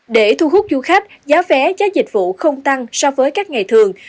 để thu hút du khách giá vé giá dịch vụ không tăng so với các ngày thường